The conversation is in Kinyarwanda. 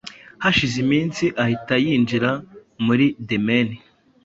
hashize iminsi ahita yinjira muri the mane